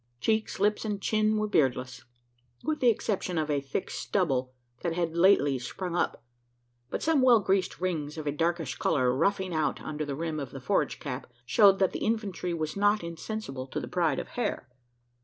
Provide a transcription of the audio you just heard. Cheeks, lips, and chin were beardless with the exception of a thick stubble that had lately sprung up; but some well greased rings of a darkish colour ruffing out under the rim of the forage cap, showed that the "infantry" was not insensible to the pride of hair.